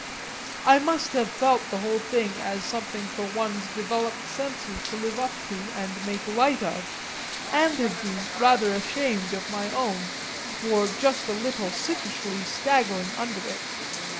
I must have felt the whole thing as something for one's developed senses to live up to and make light of, and have been rather ashamed of my own for just a little sickishly staggering under it.